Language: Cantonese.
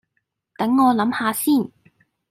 等我諗吓先